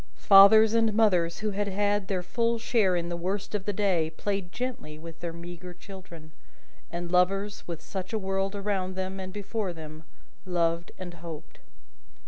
Fathers and mothers who had had their full share in the worst of the day, played gently with their meagre children; and lovers, with such a world around them and before them, loved and hoped.